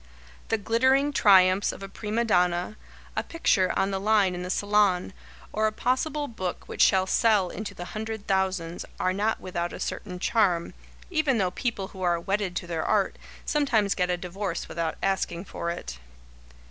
The glittering triumphs of a prima donna, a picture on the line in the Salon, or a possible book which shall sell into the hundred thousands, are not without a certain charm, even though people who are "wedded to their art" sometimes get a divorce without asking for it.